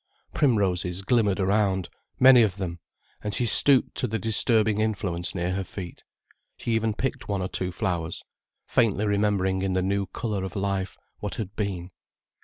Primroses glimmered around, many of them, and she stooped to the disturbing influence near her feet, she even picked one or two flowers, faintly remembering in the new colour of life, what had been.